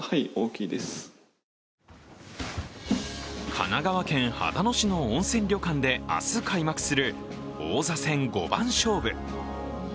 神奈川県秦野市の温泉旅館で明日開幕する王座戦五番勝負。